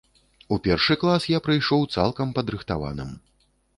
У першы клас я прыйшоў цалкам падрыхтаваным.